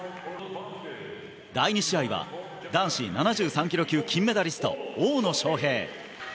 第２試合は男子７３ｋｇ級金メダリスト、大野将平。